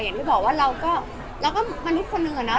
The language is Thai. อย่างที่บอกว่าเราก็มนุษย์คนหนึ่งอะเนาะ